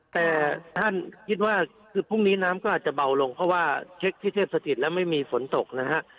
แต่ท่านคิดว่าคือพรุ่งนี้น้ำก็อาจจะเบาลงเพราะว่าเช็คที่เทพสถิตแล้วไม่มีฝนตกนะฮะ